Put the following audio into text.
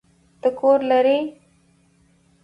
ته کور لری؟